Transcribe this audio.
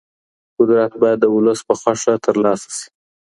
قدرت بايد د ولس په خوښه ترلاسه سي.